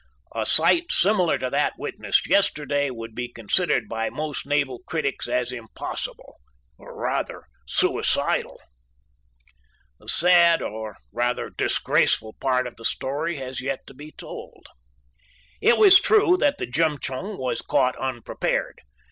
A sight similar to that witnessed yesterday would be considered by most naval critics as impossible, or, rather, suicidal. The sad, or, rather, disgraceful, part of the story has yet to be told. It was true that the Jemtchug was caught unprepared.